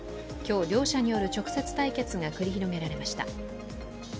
今日、両者による直接対決が繰り広げられました。